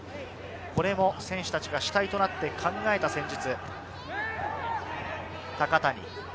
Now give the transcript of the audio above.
これも選手達が主体となって考えた戦術。